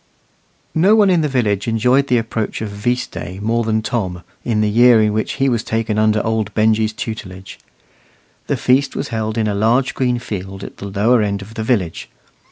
No one in the village enjoyed the approach of "veast day" more than Tom, in the year in which he was taken under old Benjy's tutelage. The feast was held in a large green field at the lower end of the village.